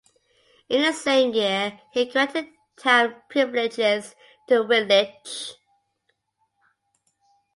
In the same year he granted town privileges to Wittlich.